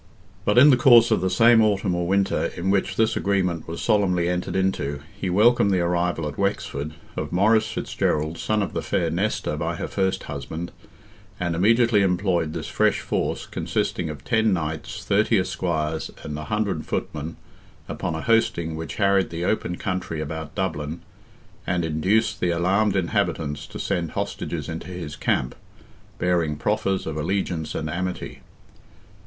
But in the course of the same autumn or winter, in which this agreement was solemnly entered into, he welcomed the arrival at Wexford—of Maurice Fitzgerald—son of the fair Nesta by her first husband—and immediately employed this fresh force, consisting of 10 knights, 30 esquires, and 100 footmen, upon a hosting which harried the open country about Dublin, and induced the alarmed inhabitants to send hostages into his camp, bearing proffers of allegiance and amity.